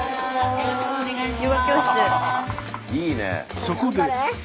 よろしくお願いします。